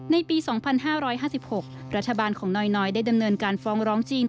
ในปี๒๕๕๖รัฐบาลของน้อยได้ดำเนินการฟ้องร้องจริง